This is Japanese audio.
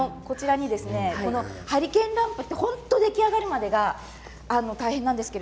ハリケーンランプは本当に出来上がるまでが大変なんですが。